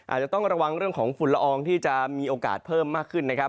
อาจจะต้องระวังเรื่องของฝุ่นละอองที่จะมีโอกาสเพิ่มมากขึ้นนะครับ